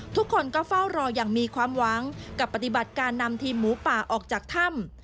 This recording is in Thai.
ทุกคนก็เฝ้ารออย่างมีความหวังกับปฏิบัติการนำทีมหมูป่าออกจากถ้ำ